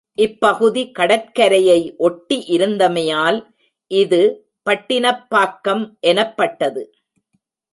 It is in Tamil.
இப்பகுதி கடற்கரையை ஒட்டி இருந்தமையால் இது பட்டினப்பாக்கம் எனப் பட்டது.